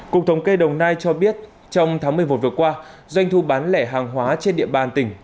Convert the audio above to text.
cục thống kê đồng nai cho biết trong tháng một mươi một vừa qua doanh thu bán lẻ hàng hóa trên địa bàn tỉnh